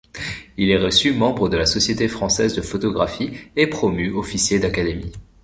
Il est reçu membre de la Société française de photographie et promu officier d'académie.